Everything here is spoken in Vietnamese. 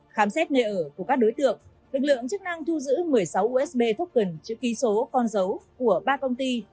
khám xét nơi ở của các đối tượng lực lượng chức năng thu giữ một mươi sáu usb token chữ ký số con dấu của ba công ty